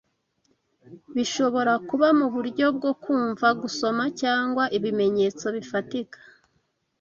Bishobora kuba muburyo bwo kumva gusoma cyangwa ibimenyetso bifatika